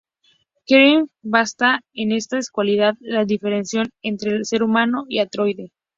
K. Dick basa en esta cualidad la diferenciación entre ser humano y androide.